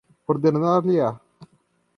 ordenar-lhe-á